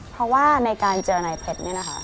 เพราะว่าในการเจอนายเพชรเนี่ยนะคะ